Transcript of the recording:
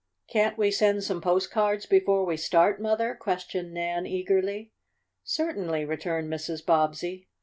"Can't we send some postcards before we start, Mother?" questioned Nan eagerly. "Certainly," returned Mrs. Bobbsey.